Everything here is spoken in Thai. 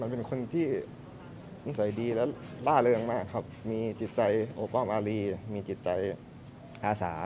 มันเป็นคนที่ใส่ดีและล่าเริงมากครับมีจิตใจโอปอล์มอารีมีจิตใจอาสา